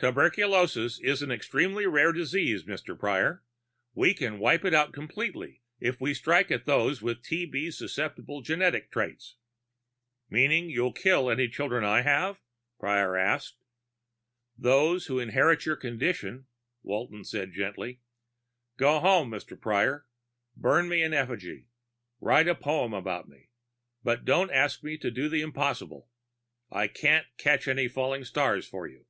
"Tuberculosis is an extremely rare disease, Mr. Prior. We can wipe it out completely if we strike at those with TB susceptible genetic traits." "Meaning you'll kill any children I have?" Prior asked. "Those who inherit your condition," Walton said gently. "Go home, Mr. Prior. Burn me in effigy. Write a poem about me. But don't ask me to do the impossible. I can't catch any falling stars for you."